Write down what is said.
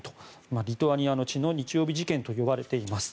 リトアニアの血の日曜日事件と呼ばれています。